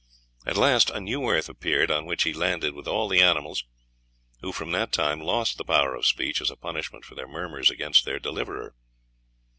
At last a new earth appeared, on which he landed with all the animals, who from that time lost the power of speech, as a punishment for their murmurs against their deliverer."